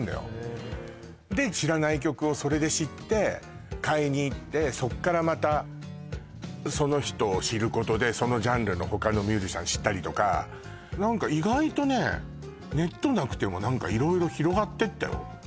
へえで知らない曲をそれで知って買いに行ってそっからまたその人を知ることでそのジャンルの他のミュージシャン知ったりとか何か意外とねネットなくても何か色々広がってったよ